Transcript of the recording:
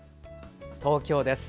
東京です。